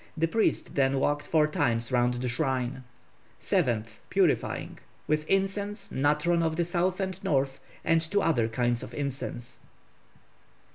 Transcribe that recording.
The priest then walked four times round the shrine. 7th. Purifying with incense, natron of the south and north, and two other kinds of incense.